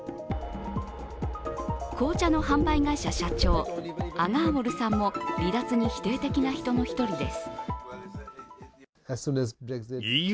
紅茶の販売会社社長、アガーウォルさんも離脱に否定的な人の一人です。